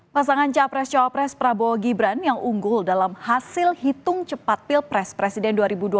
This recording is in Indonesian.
pasangan capres cawapres prabowo gibran yang unggul dalam hasil hitung cepat pilpres presiden dua ribu dua puluh